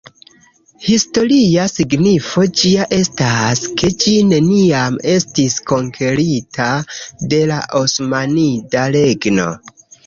Historia signifo ĝia estas, ke ĝi neniam estis konkerita de la Osmanida Regno.